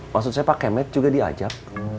maksudnya pak kemet juga diajak